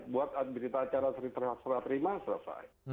buat berita acara seri terakhir terima selesai